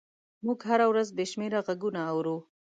موږ هره ورځ بې شمېره غږونه اورو.